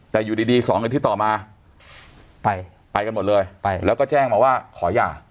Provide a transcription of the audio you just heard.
แต่อยู่ดีดีสองอาทิตย์ต่อมาไปกันหมดเลยไปแล้วก็แจ้งมาว่าขอหย่า